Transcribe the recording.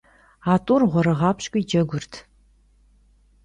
A t'ur ğuerığuapşk'ui cegurt.